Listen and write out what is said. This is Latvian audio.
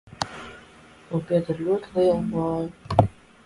Man pieder ļoti liela māja.